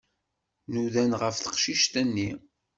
Nudan ɣef teqcict-nni.